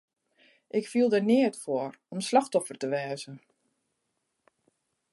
Ik fiel der neat foar om slachtoffer te wêze.